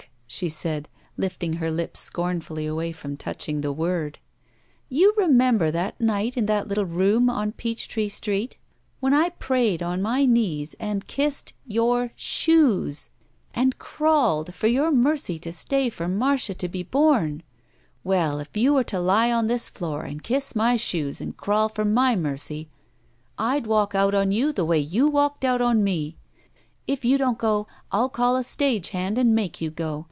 she said, lifting her lips scornfully away from touching the word. You remember that night in that little room on Peach Tree Street when I prayed on my knees and kissed — ^your — shoes and crawled for your mercy to stay for Marda to be bom? Well, if you were to lie on this floor and kiss my shoes and crawl for my mercy I'd walk out on you the way you walked out on me. If you don't go, I'll call a stage hand and make you go.